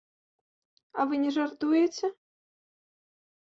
А вы не жартуеце?